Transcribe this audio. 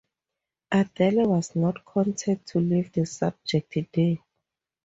Adele was not content to leave the subject there.